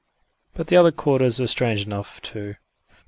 But the other quarters were strange enough, too.